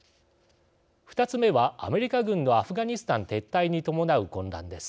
２つ目はアメリカ軍のアフガニスタン撤退に伴う混乱です。